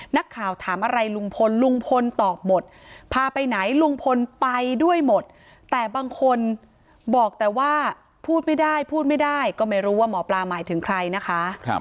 นักข่าวถามอะไรลุงพลลุงพลตอบหมดพาไปไหนลุงพลไปด้วยหมดแต่บางคนบอกแต่ว่าพูดไม่ได้พูดไม่ได้ก็ไม่รู้ว่าหมอปลาหมายถึงใครนะคะ